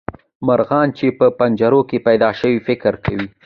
مرغان چې په پنجرو کې پیدا شي فکر کوي.